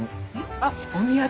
あっお土産か。